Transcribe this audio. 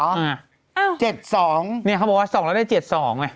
เนี่ยเขาบอกว่า๒แล้วได้๗๒เนี่ย